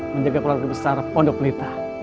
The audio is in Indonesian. menjaga keluarga besar pondok lita